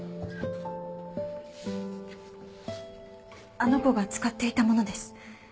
あの子が使っていたものです。